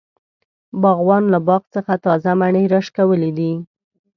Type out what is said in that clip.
باغوان له باغ څخه تازه مڼی راشکولی دی.